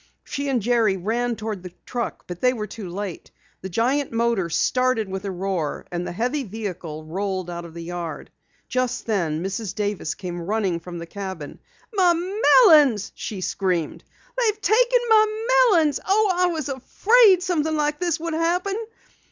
She and Jerry ran toward the truck, but they were too late. The giant motor started with a roar, and the heavy vehicle rolled out of the yard. Just then, Mrs. Davis came running from the cabin. "My melons!" she screamed. "They've taken my melons! Oh, I was afraid something like this would happen!"